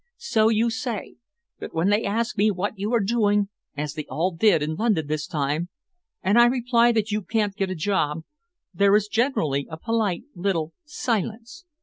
"So you say, but when they ask me what you are doing, as they all did in London this time, and I reply that you can't get a job, there is generally a polite little silence.